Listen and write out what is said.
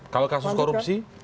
kalau kasus korupsi